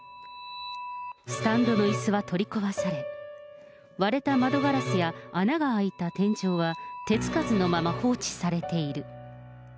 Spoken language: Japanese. スタンドのいすは取り壊され、割れた窓ガラスや、穴が開いた天井は手つかずのまま放置されている。